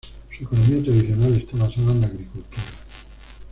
Su economía tradicional está basada en la agricultura.